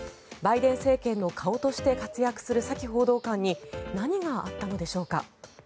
バイデン政権の顔として活躍するサキ報道官に何があったのでしょうか。